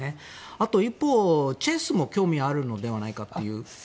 あと一方、チェスも興味があるのではないかという。